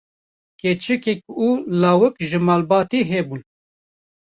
keçikek û lawek ji malbatê hebûn